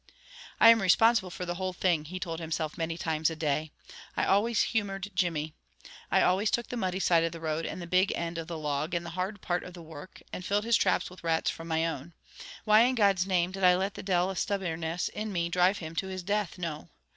"I am responsible for the whole thing," he told himself many times a day. "I always humored Jimmy. I always took the muddy side of the road, and the big end of the log, and the hard part of the work, and filled his traps wi' rats from my own; why in God's name did I let the Deil o' stubbornness in me drive him to his death, noo?